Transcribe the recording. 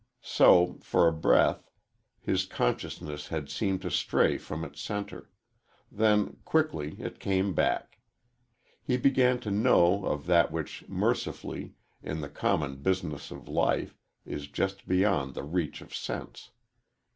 So, for a breath, his consciousness had seemed to stray from its centre; then, quickly, it came back. He began to know of that which, mercifully, in the common business of life, is just beyond the reach of sense.